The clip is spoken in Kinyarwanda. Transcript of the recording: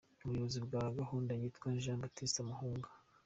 Umuyobozi wa gahunda yitwa Jean Baptiste Mugunga.